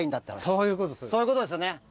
そういうことですよね。